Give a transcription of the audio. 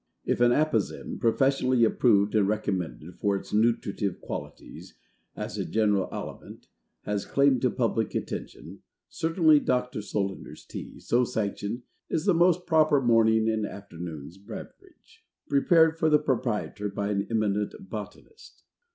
If an Apozem PROFESSIONALLY approved and recommended for its nutritive qualities, as a general aliment, has claim to public attention, certainly Dr. SOLANDER'S TEA, so sanctioned, is the most proper morning and afternoon's beverage. Prepared for the Proprietor by an eminent Botanist.